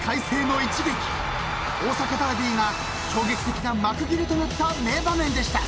［大阪ダービーが衝撃的な幕切れとなった名場面でした］